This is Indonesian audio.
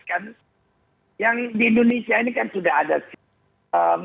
kan yang di indonesia ini kan sudah ada sistem